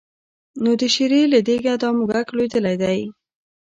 نو د شېرې له دېګه دا موږک لوېدلی دی.